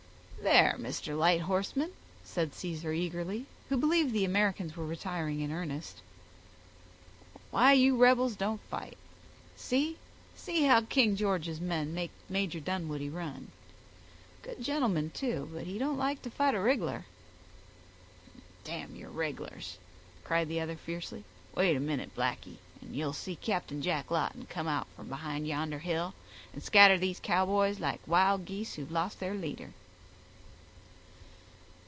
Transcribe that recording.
"There, Mister Light Horseman," said Caesar eagerly, who believed the Americans were retiring in earnest; "why you rebels don't fight—see—see how King George's men make Major Dunwoodie run! Good gentleman, too, but he don't like to fight a rig'lar." "Damn your regulars," cried the other, fiercely. "Wait a minute, blackey, and you'll see Captain Jack Lawton come out from behind yonder hill, and scatter these Cowboys like wild geese who've lost their leader."